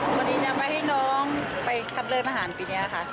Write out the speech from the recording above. วันนี้จะมาให้น้องไปทำเริ่มอาหารปีนี้ค่ะ